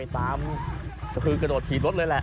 ตามสะพือกระโดดถีบรถเลยแหละ